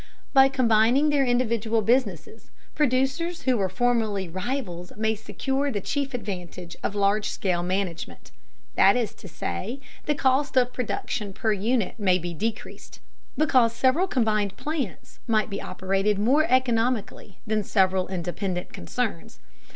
By combining their individual businesses, producers who were formerly rivals may secure the chief advantage of large scale management. That is to say, the cost of production per unit may be decreased, because several combined plants might be operated more economically than several independent concerns.